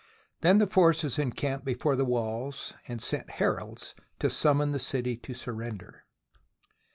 Then the forces encamped before the walls and sent heralds to summon the city to surrender.